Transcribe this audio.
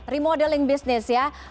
remodeling bisnis ya